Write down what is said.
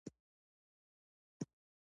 دا کارونه خلاص کړه او بیا ماته احوال راکړه